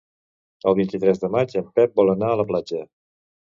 El vint-i-tres de maig en Pep vol anar a la platja.